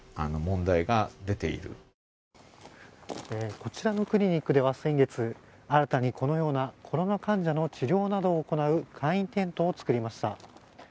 こちらのクリニックでは先月、新たにこのような、コロナ患者の治療などを行う簡易テントを作りました。